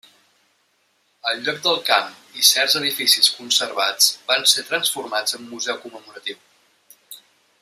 El lloc del camp i certs edificis conservats van ser transformats en museu commemoratiu.